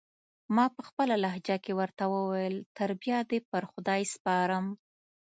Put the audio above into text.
ما پخپله لهجه کې ورته وویل: تر بیا دې پر خدای سپارم.